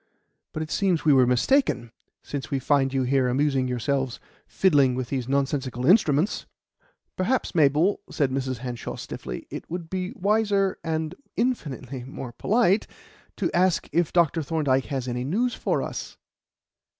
But it seems we were mistaken, since we find you here amusing yourselves fiddling with these nonsensical instruments." "Perhaps, Mabel," said Mrs. Hanshaw stiffly, "it would be wiser, and infinitely more polite, to ask if Dr. Thorndyke has any news for us."